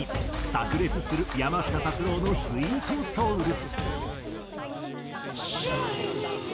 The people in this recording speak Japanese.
さく裂する山下達郎のスウィート・ソウル。